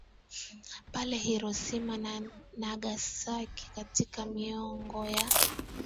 pale Hiroshima na Nagasaki Katika miongo ya